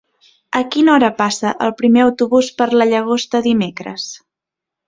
A quina hora passa el primer autobús per la Llagosta dimecres?